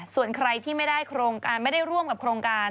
ส่วนใครที่ไม่ได้ร่วมกับโครงการ